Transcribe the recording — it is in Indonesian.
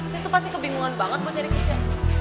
dia tuh pasti kebingungan banget buat nyari keisha